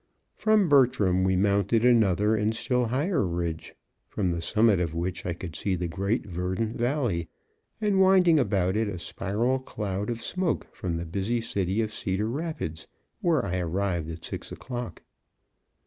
From Bertram we mounted another and still higher ridge, from the summit of which I could see the great verdant valley, and, winding about it, a spiral cloud of smoke from the busy city of Cedar Rapids, where I arrived at six o'clock.